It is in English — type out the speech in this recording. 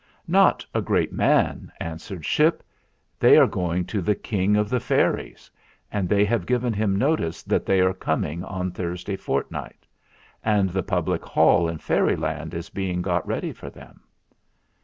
"Not a great man," answered Ship. "They are going to the King of the Fairies ; and they have given him notice that they are coming on Thursday fortnight. And the Public Hall in Fairyland is being got ready for them."